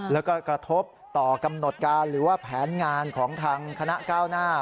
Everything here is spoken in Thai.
แล้วก็กระทบต่อกำหนดการหรือว่าแผนงานของทางคณะก้าวหน้า